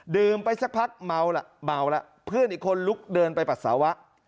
ดื่มไปสักพักเมาละเพื่อนอีกคนลุกเดินไปปัสสาวะ